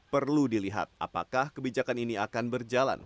perlu dilihat apakah kebijakan ini akan berjalan